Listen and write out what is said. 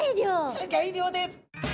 すギョい量です！